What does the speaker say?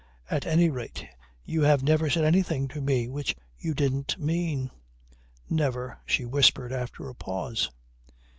At any rate you have never said anything to me which you didn't mean." "Never," she whispered after a pause.